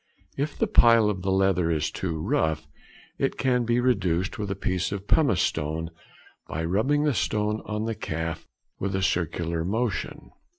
If the pile of the leather is too rough, it can be reduced with a piece of pumice stone, by rubbing the stone on the calf with a circular motion.